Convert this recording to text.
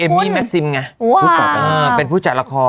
มี่แม็กซิมไงเป็นผู้จัดละคร